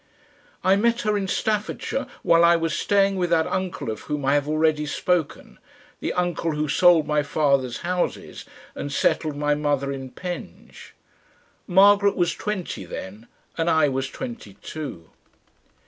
I met her in Staffordshire while I was staying with that uncle of whom I have already spoken, the uncle who sold my father's houses and settled my mother in Penge. Margaret was twenty then and I was twenty two.